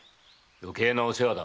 余計なお世話だ。